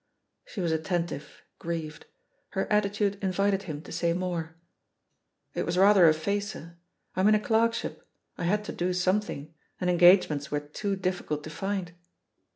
She was attentive, grieved; her attitude invited him to say more. "It was rather a facer. I'm in a clerkship — I had to do something, and engagements were too difficult to find."